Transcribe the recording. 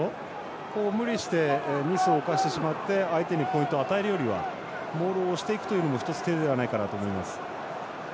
無理してミスを犯してしまって相手にポイントを与えるよりはモールを押していくというのも１つ、手ではないかと思います。